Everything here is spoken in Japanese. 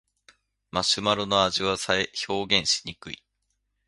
マシュマロの味は表現しにくい